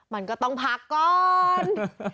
มันก็ต้องพักก่อน